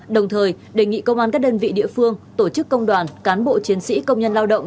đồng thời đề nghị công an các đơn vị địa phương tổ chức công đoàn cán bộ chiến sĩ công nhân lao động